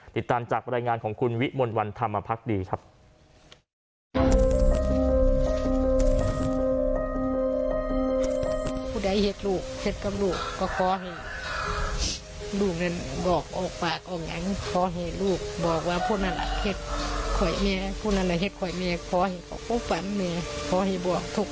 ติดตามจากบรรยายงานของคุณวิมลวันธรรมพักดีครับ